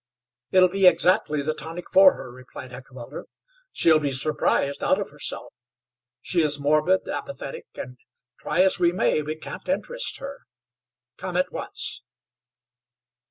"It'll be exactly the tonic for her," replied Heckewelder. "She'll be surprised out of herself. She is morbid, apathetic, and, try as we may, we can't interest her. Come at once."